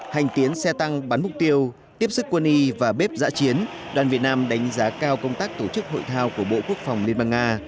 hành tiến xe tăng bắn mục tiêu tiếp sức quân y và bếp giã chiến đoàn việt nam đánh giá cao công tác tổ chức hội thao của bộ quốc phòng liên bang nga